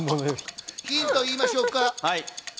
ヒント言いましょうか？